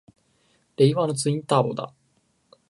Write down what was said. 令和のツインターボだ！